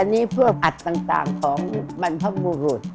อันนี้พวกอัดต่างของบรรพบุรุษ